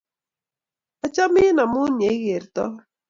Achamin amun ye ikerton.